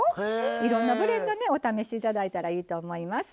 いろんなブレンドねお試し頂いたらいいと思います。